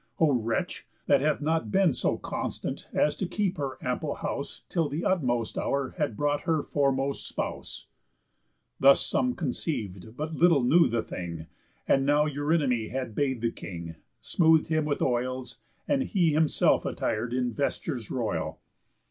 O wretch! That hath not been So constant as to keep her ample house Till th' utmost hour had brought her foremost spouse." Thus some conceiv'd, but little knew the thing. And now Eurynomé had bath'd the King, Smooth'd him with oils, and he himself attir'd In vestures royal.